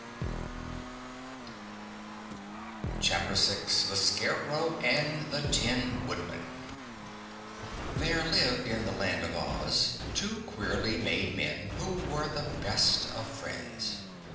THE SCARECROW AND THE TIN WOODMAN There lived in the Land of Oz two queerly made men who were the best of friends.